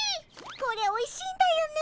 これおいしいんだよね。